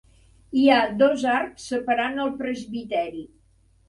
Hi ha dos arcs separant el presbiteri.